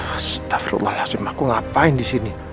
astaghfirullahaladzim aku ngapain di sini